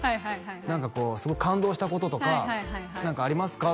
「何かこう感動したこととか何かありますか？」